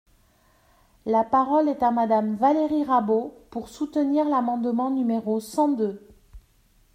La parole est à Madame Valérie Rabault, pour soutenir l’amendement numéro cent deux.